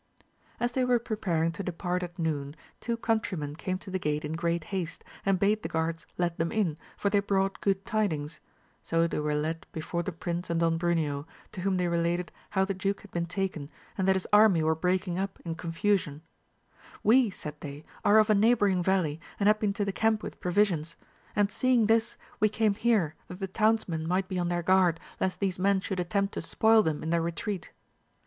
As they were preparing to depart at noon, two countr3rmen came to the gate in great haste, and bade the guards let them in, for they brought good tidings ; so they were led before the prince and Don Bruneo, to whom they related how the duke had been taken, and that his army were breaking up in confusion; We, said they, are of a neighbouring valley, and had been to the camp with provisions; and seeing this, we came here, that the townsmen might be on their guard, lest these men should attempt to spoil them in their retreat.